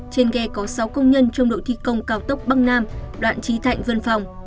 trên ghe có sáu công nhân trong đội thi công cao tốc bắc nam đoạn trí thạnh vân phòng